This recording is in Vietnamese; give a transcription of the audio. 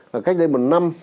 và cách đây một năm